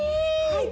はい。